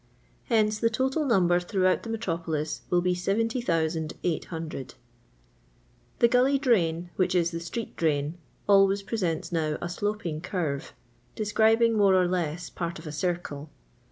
Hence the total number throughout the metropolis will be 70,800. The guU}f drain, which is the street drain, al ways presents now a sloping curve, describing, more or less, part of a circle.